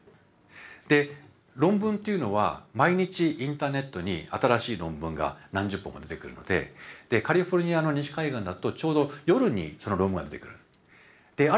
で論文っていうのは毎日インターネットに新しい論文が何十本も出てくるのでカリフォルニアの西海岸だとちょうど夜にその論文が出てくる。